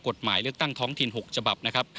กฎหมายเลือกตั้งท้องถิ่น๖ฉบับนะครับ